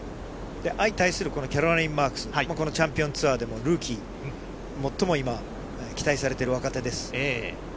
相対するこのキャロライン・マークス、このチャンピオンツアーでもルーキー、最も今、期待されている若手です。